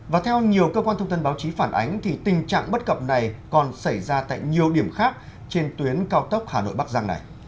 và theo nhiều cơ quan thông tin báo chí phản ánh thì tình trạng bất cập này còn xảy ra tại nhiều điểm khác trên tuyến cao tốc hà nội bắc giang này